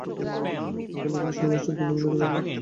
বালিকা সভয়ে চক্ষু নিমীলিত করিল।